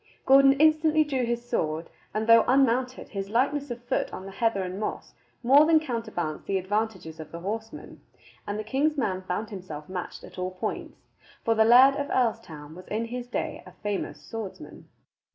Gordon instantly drew his sword, and, though unmounted, his lightness of foot on the heather and moss more than counterbalanced the advantages of the horseman, and the king's man found himself matched at all points; for the Laird of Earlstoun was in his day a famous swordsman.